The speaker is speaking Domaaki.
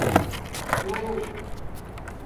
روک